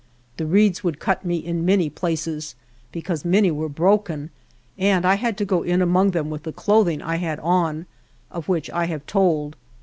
The reeds would cut me in many places, because many were broken and I had to go in among them with the clothing I had on, of which I have told.